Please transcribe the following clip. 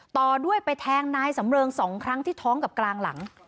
ต่อด้วยไปแทงนายสำเริง๒ครั้งที่ท้องกับกลางหลัง